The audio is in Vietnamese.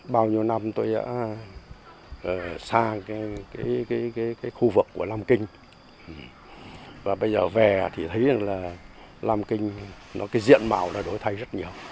bao nhiêu năm tôi đã xa khu vực của lam kinh và bây giờ về thì thấy là lam kinh diện mạo đã đổi thay rất nhiều